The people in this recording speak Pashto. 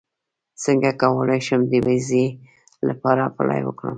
څنګه کولی شم د ویزې لپاره اپلای وکړم